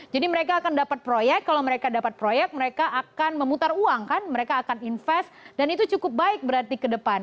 jadi mereka akan dapat proyek kalau mereka dapat proyek mereka akan memutar uang kan mereka akan invest dan itu cukup baik berarti ke depan